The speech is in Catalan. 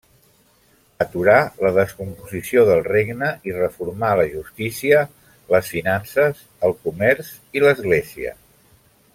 Aturà la descomposició del regne i reformà la justícia, les finances, el comerç i l'Església.